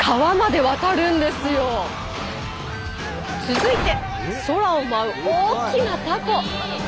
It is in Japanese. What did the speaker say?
続いて空を舞う大きなたこ。